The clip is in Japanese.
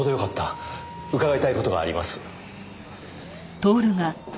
伺いたい事があります。